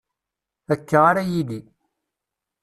Akka ara yili.